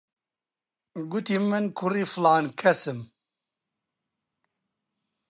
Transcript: گوتی من کوڕی فڵان کەسم.